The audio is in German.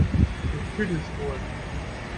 Du tüdelst wohl!